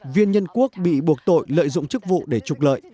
viên nhân quốc bị buộc tội lợi dụng chức vụ để trục lợi